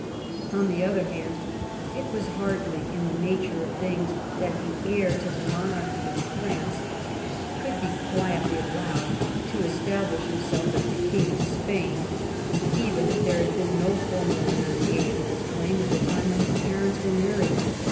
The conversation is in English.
On the other hand, it was hardly in the nature of things that the heir to the monarchy of France could be quietly allowed to establish himself as King of Spain, even if there had been no formal renunciation of his claim at the time when his parents were married.